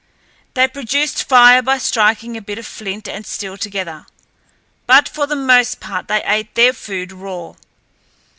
They produced fire by striking a bit of flint and steel together, but for the most part they ate their food raw.